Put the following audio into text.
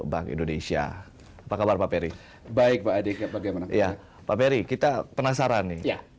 bapak peri kita penasaran nih